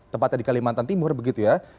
tempatnya di kalimantan timur begitu ya